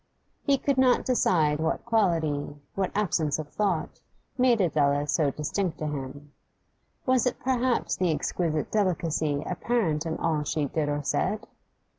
He could not decide what quality, what absence of thought, made Adela so distinct to him. Was it perhaps the exquisite delicacy apparent in all she did or said?